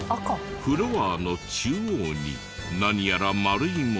フロアの中央に何やら丸いものが。